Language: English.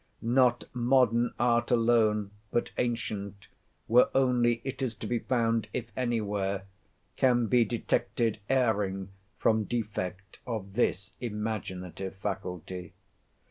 Not modern art alone, but ancient, where only it is to be found if anywhere, can be detected erring, from defect of this imaginative faculty.